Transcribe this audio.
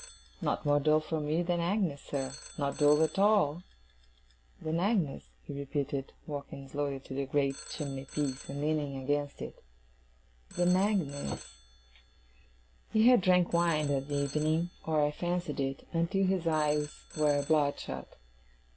'Not more dull for me than Agnes, sir. Not dull at all!' 'Than Agnes,' he repeated, walking slowly to the great chimney piece, and leaning against it. 'Than Agnes!' He had drank wine that evening (or I fancied it), until his eyes were bloodshot.